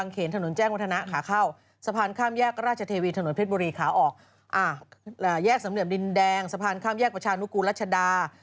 ค่ะนั่นคือขาออกเมืองนะฮะ